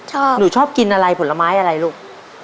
หนูชอบกินอะไรผลไม้อะไรลูก